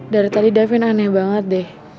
dari tadi davin aneh banget deh